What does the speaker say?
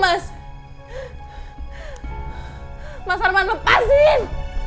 mas arman mas arman lepasin